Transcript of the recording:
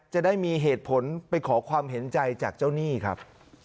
จะได้มีเหตุผลไปขอความเห็นใจจากเจ้าหนี้ครับ